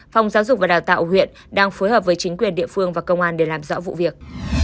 phòng giáo dục và đào tạo huyện đang phối hợp với chính quyền địa phương và công an để làm rõ vụ việc